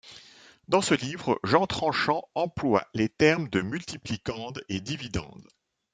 Dans ce livre, Jean Trenchant emploie les termes de Multiplicande et dividende.